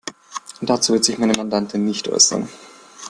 Dazu wird sich meine Mandantin nicht äußern.